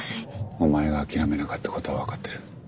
お前が諦めなかったことは分かってる。